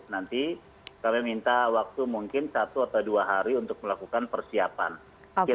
nanti kami minta waktu mungkin satu atau dua hari untuk melakukan persiapan